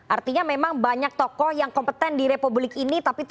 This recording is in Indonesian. artinya memang banyak tokoh yang kompeten di republik ini